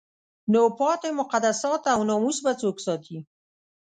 نو پاتې مقدسات او ناموس به څوک ساتي؟